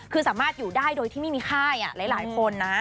คือสามารถอยู่ได้โดยที่ไม่มีค่ายหลายคนนะ